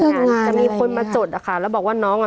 เลือกงานอะไรอย่างนี้ค่ะจะมีคนมาจดอะค่ะแล้วบอกว่าน้องอ่ะ